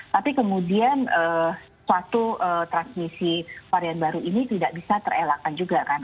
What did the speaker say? tapi kemudian suatu transmisi varian baru ini tidak bisa terelakkan juga kan